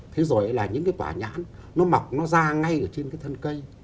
thế rồi là những cái quả nhãn nó mọc nó ra ngay ở trên cái thân cây